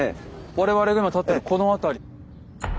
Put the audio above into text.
我々が今立ってるこの辺り。